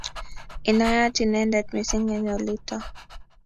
inayat inendet missing eng olito